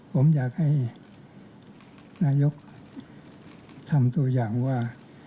ผมอยากให้นายกทำตัวอย่างว่า